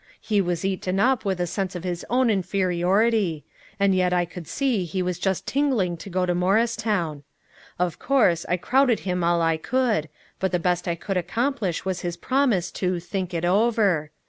He was eaten up with a sense of his own inferiority. And yet I could see he was just tingling to go to Morristown. Of course, I crowded him all I could, but the best I could accomplish was his promise to "think it over."